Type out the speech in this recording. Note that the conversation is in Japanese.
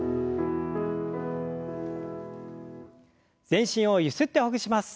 全身をゆすってほぐします。